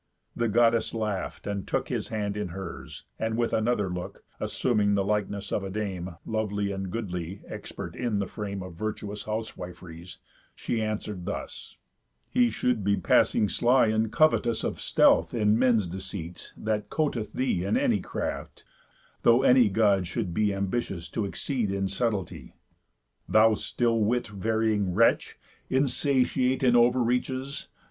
The Goddess laugh'd, and took His hand in hers, and with another look (Assuming then the likeness of a dame, Lovely and goodly, expert in the frame Of virtuous housewif'ries) she answer'd thus: "He should be passing sly, and covetous Of stealth, in men's deceits, that coted thee In any craft, though any God should be Ambitious to exceed in subtilty. Thou still wit varying wretch! Insatiate In over reaches!